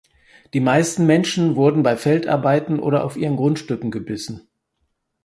Die meisten Menschen wurden bei Feldarbeiten oder auf ihren Grundstücken gebissen.